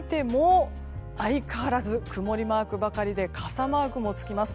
天気マークを見てみても相変わらず曇りマークばかりで傘マークも付きます。